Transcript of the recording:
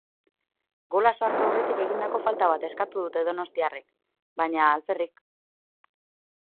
Gola sartu aurretik egindako falta bat eskatu dute donostiarrek, baina alferrik.